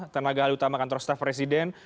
tenaga alih utama kantor staf presiden